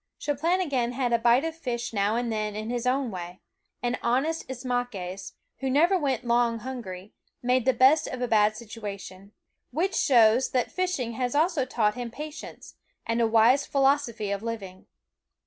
Cheplahgan had a bite of fish now and then in his own way; and honest Ismaques, who never went long hungry, made the best of a bad situation. Which shows that fishing has also taught him patience, and a wise philosophy of living.